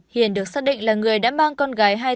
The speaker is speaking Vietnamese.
hiền được xác định là người đã mang con gái